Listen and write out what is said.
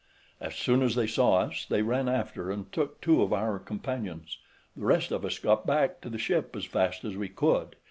As soon as they saw us, they ran after and took two of our companions; the rest of us got back to the ship as fast as we could.